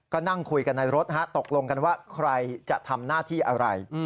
ก็นั่งคุยกันในรถตกลงกันว่าใครจะทำหน้าที่อะไร